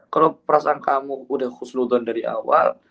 kalau perasaan kamu udah khusnudon dari awal